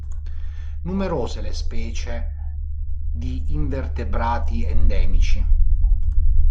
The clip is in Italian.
Numerose le specie di invertebrati endemici.